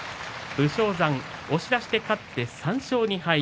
武将山、押し出しで勝って３勝２敗。